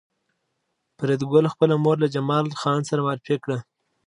فریدګل خپله مور له جمال خان سره معرفي کړه